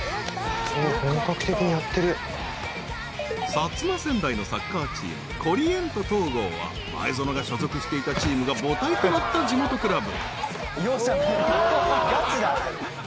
［薩摩川内のサッカーチームコリエント東郷は前園が所属していたチームが母体となった地元クラブ］